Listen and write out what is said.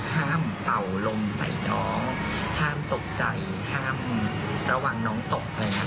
เป่าลมใส่น้องห้ามตกใจห้ามระวังน้องตกอะไรอย่างนี้